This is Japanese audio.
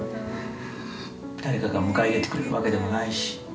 誰かが迎え入れてくれるわけでもないし。